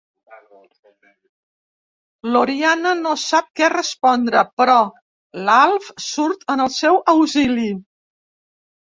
L'Oriana no sap què respondre, però l'Alf surt en el seu auxili.